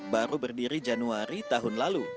baru berdiri januari tahun dua ribu